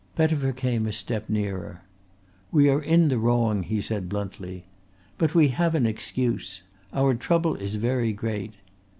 Pettifer came a step nearer. "We are in the wrong," he said bluntly. "But we have an excuse. Our trouble is very great.